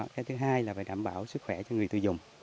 cái thứ hai là phải đảm bảo sức khỏe cho người tiêu dùng